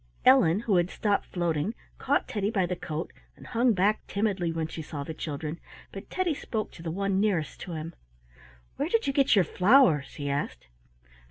Ellen, who had stopped floating, caught Teddy by the coat and hung back timidly when she saw the children, but Teddy spoke to the one nearest to him. "Where did you get your flowers?" he asked.